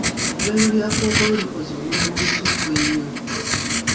Eddwaliro lya kkookolo likoze omulimu omusufu ennyo.